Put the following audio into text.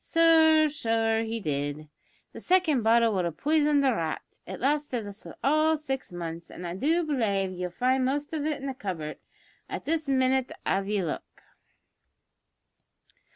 Sure so he did. The second bottle would have poison'd a rat. It lasted us all six months, an' I do belave ye'll find the most of it in the cupboard at this minnit av ye look."